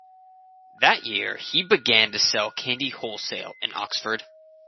That year he began to sell candy wholesale in Oxford.